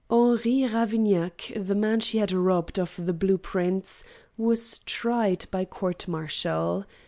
Henri Ravignac, the man she had robbed of the blue prints, was tried by court martial.